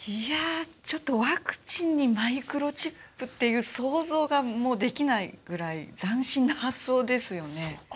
ちょっとワクチンにマイクロチップっていう想像ができないぐらい斬新な発想ですよね。